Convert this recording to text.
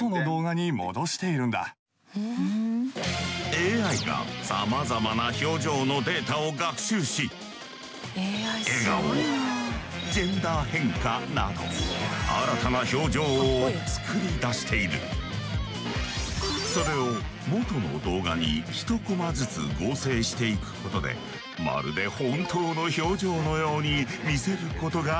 ＡＩがさまざまな表情のデータを学習し笑顔ジェンダー変化などそれを元の動画に１コマずつ合成していくことでまるで本当の表情のように見せることができるのだ。